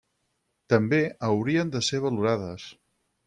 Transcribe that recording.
També haurien de ser valorades.